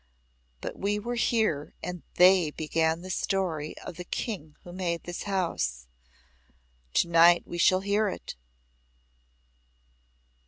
But we were here and THEY began the story of the King who made this house. Tonight we shall hear it.